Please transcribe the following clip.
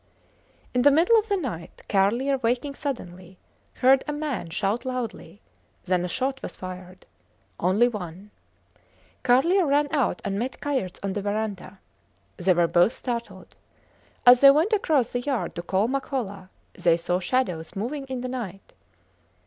In the middle of the night, Carlier waking suddenly, heard a man shout loudly; then a shot was fired. Only one. Carlier ran out and met Kayerts on the verandah. They were both startled. As they went across the yard to call Makola, they saw shadows moving in the night.